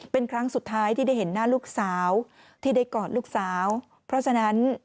เป็นครั้งสุดท้ายที่ได้เห็นหน้าลูกสาวที่ได้กอดลูกสาวเพราะฉะนั้น